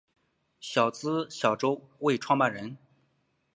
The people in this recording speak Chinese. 人资小周末创办人